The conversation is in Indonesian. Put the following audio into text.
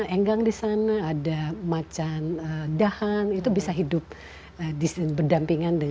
enggang di sana ada macan dahan itu bisa hidup di sini berdampingan dengan